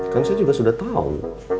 kami saya juga sudah tahu